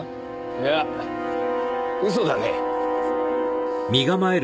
いや嘘だね。